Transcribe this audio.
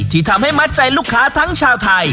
ที่ทำให้มัดใจลูกค้าทั้งชาวไทย